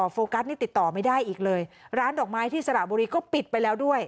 โฟกัสนี่ติดต่อไม่ได้อีกเลยร้านดอกไม้ที่สระบุรีก็ปิดไปแล้วด้วย